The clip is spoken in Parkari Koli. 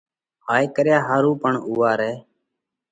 ھائي ڪريا ۿارُو پڻ اُوئون رئہ